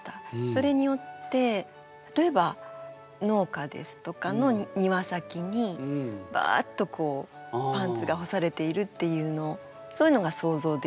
それによって例えば農家ですとかの庭先にばっとこうパンツが干されているっていうのをそういうのが想像できるかなっていう。